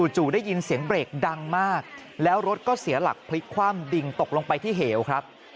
จู่ได้ยินเสียงเบรกดังมากแล้วรถก็เสียหลักพลิกคว่ำดิ่งตกลงไปที่เหวครับ